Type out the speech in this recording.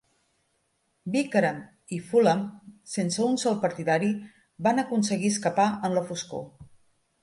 Vikram i Phoolan, sense un sol partidari, van aconseguir escapar en la foscor.